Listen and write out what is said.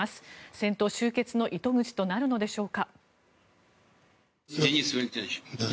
戦闘終結の糸口となるのでしょうか。